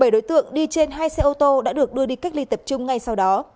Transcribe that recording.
bảy đối tượng đi trên hai xe ô tô đã được đưa đi cách ly tập trung ngay sau đó